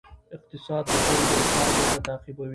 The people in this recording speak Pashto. اقتصاد د پانګې او کار ګټه تعقیبوي.